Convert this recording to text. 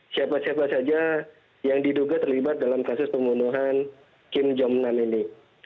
siapa siapa saja yang diduga terlibat dalam kasus pembunuhan kim jong nam ini